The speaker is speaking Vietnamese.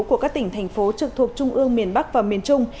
của các tỉnh thành phố trực thuộc trung ương miền bắc và miền trung